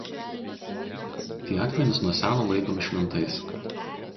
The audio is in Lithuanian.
Tie akmenys nuo seno laikomi šventais.